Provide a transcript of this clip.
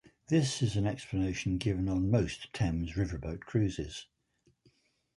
This is an explanation given on most Thames Riverboat cruises.